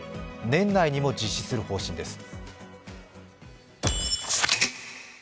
年内にも実施する方針です。